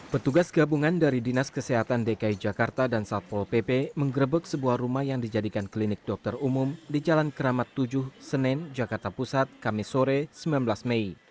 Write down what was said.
petugas gabungan dari dinas kesehatan dki jakarta dan satpol pp mengrebek sebuah rumah yang dijadikan klinik dokter umum di jalan keramat tujuh senen jakarta pusat kami sore sembilan belas mei